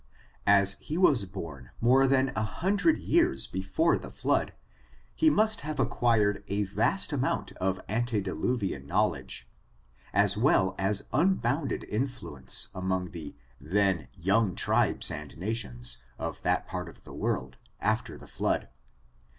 As he was bom more than a hundred years before the flood, lie must have acquired a vast amount of antediluvian knowledge, as well as unbounded influence among the then young tribes and nations, of that part of the world, after the flood.